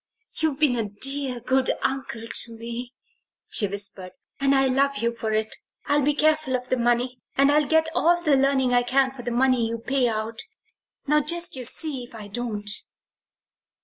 "You've been a dear, good uncle to me," she whispered, "and I love you for it. I'll be careful of the money, and I'll get all the learning I can for the money you pay out now just you see if I don't!"